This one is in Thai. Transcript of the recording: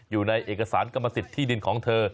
อยู่ในเอกสารกรรมสิทธิ์ที่ดินของเธอ